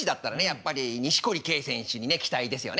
やっぱり錦織圭選手に期待ですよね。